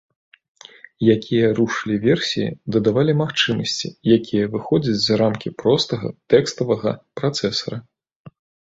Якія рушылі версіі дадавалі магчымасці, якія выходзяць за рамкі простага тэкставага працэсара.